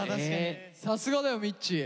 さすがだよみっちー。